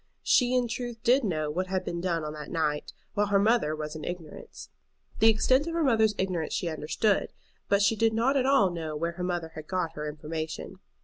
She in truth did know what had been done on that night, while her mother was in ignorance. The extent of her mother's ignorance she understood, but she did not at all know where her mother had got her information.